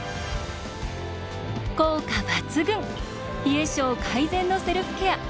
効果抜群冷え症改善のセルフケア